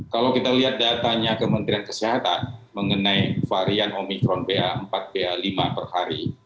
kalau kita lihat datanya kementerian kesehatan mengenai varian omikron ba empat ba lima per hari